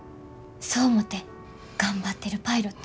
そう思って頑張ってるパイロット。